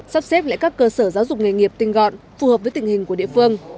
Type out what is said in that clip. sắp xếp lại các cơ sở giáo dục nghề nghiệp tinh gọn phù hợp với tình hình của địa phương